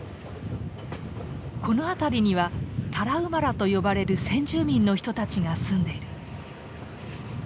この辺りにはタラウマラと呼ばれる先住民の人たちが住んでいる。